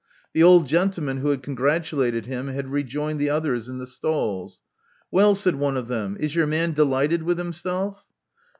The old gentleman who had congratulated him had rejoined the others in the stalls. Well," said one of them: is your man delighted with himself?"